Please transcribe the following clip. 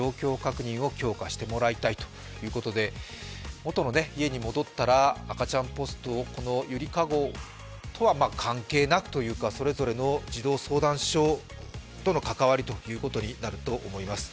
もとの家に戻ったら赤ちゃんポスト、このゆりかごとは関係なくといいますかそれぞれの児童相談所との関わりということになると思います。